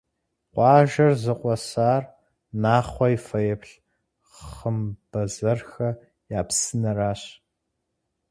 Къуажэр зыкъуэсар Нахъуэ и фэеплъ «Хъымбэзэрхэ я псынэращ».